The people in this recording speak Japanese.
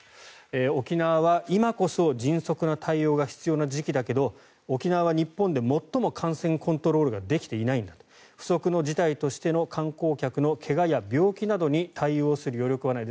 沖縄は今こそ迅速な対応が必要な時期だけれど沖縄は日本で最も感染コントロールができていないんだ不測の事態としての観光客の怪我や病気などに対応する余力はない。